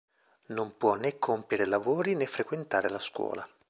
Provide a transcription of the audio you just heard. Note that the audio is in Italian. Non può né compiere lavori né frequentare la scuola.